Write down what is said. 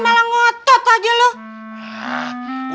malah ngotot aja lu